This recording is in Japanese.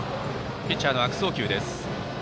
ピッチャーの悪送球です。